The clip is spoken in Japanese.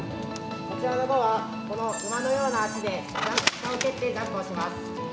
こちらの午はこの馬のような脚で下を蹴ってジャンプをします。